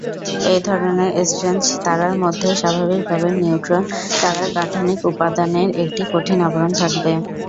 এই ধরনের স্ট্রেঞ্জ তারার মধ্যে স্বাভাবিকভাবেই নিউট্রন তারার গাঠনিক উপাদানের একটি কঠিন আবরণ থাকবে।